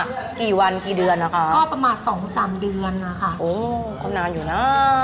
กี่วันกี่เดือนนะคะก็ประมาณสองสามเดือนนะคะโอ้คงนานอยู่นะ